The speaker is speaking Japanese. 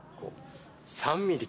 ３ｍｍ？